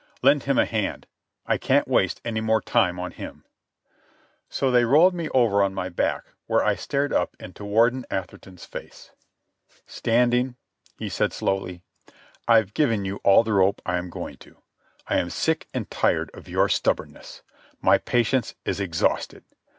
"Lend him a hand. I can't waste any more time on him." So they rolled me over on my back, where I stared up into Warden Atherton's face. "Standing," he said slowly, "I've given you all the rope I am going to. I am sick and tired of your stubbornness. My patience is exhausted.